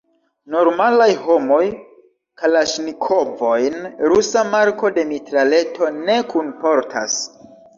Normalaj homoj kalaŝnikovojn – rusa marko de mitraleto – ne kunportas.